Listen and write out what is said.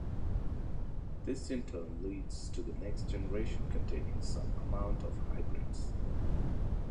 This in turn leads to the next generation containing some amount of hybrids.